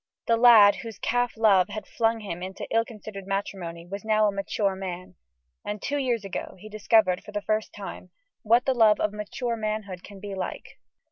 The lad whose calf love had flung him into ill considered matrimony was now a mature man and two years ago he discovered, for the first time, what the love of mature manhood can be like.